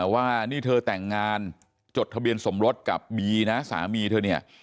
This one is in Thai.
ว่านี่เธอแต่งงานจดทะเบียนสมรสกับบีนะสามีเธอเนี่ย